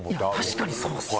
確かにそうっすね。